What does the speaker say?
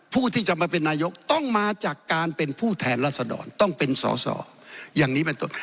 ผู้ที่จะมาเป็นนายกต้องมาจากการเป็นผู้แทนรัฐสะดอนต้องเป็นสอสอ